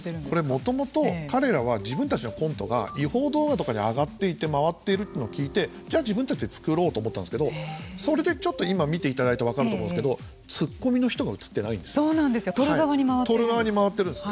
もともと彼らは自分たちのコントが違法動画とかに上がっていて回っているというのを聞いて、じゃあ自分たちで作ろうと思ったんですけどそれでちょっと見ていただいて分かるんですけどツッコミの人が撮る側に回っているんです。